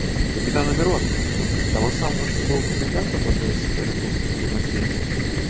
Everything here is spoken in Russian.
– Капитана Миронова! того самого, что был комендантом в одной из оренбургских крепостей?